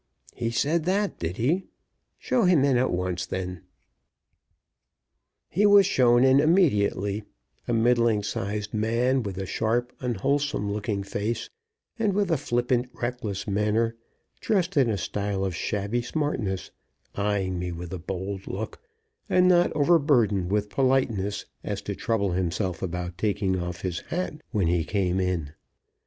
"He said that, did he? Show him in at once, then." He was shown in immediately: a middling sized man, with a sharp, unwholesome looking face, and with a flippant, reckless manner, dressed in a style of shabby smartness, eying me with a bold look, and not so overburdened with politeness as to trouble himself about taking off his hat when he came in.